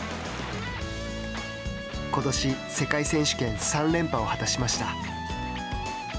ことし、世界選手権３連覇を果たしました。